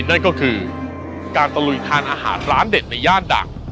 นั่นก็คือการตะลุยทานอาหารร้านเด็ดในย่านดัง